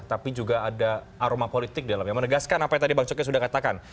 tapi juga ada aroma politik di dalamnya menegaskan apa yang tadi bang coki sudah katakan